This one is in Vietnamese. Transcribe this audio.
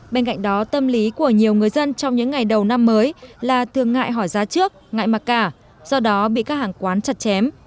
bên cạnh đó tâm lý của nhiều người dân trong những ngày đầu năm mới là thường ngại hỏi giá trước ngại mặc cả do đó bị các hàng quán chặt chém